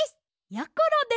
やころです！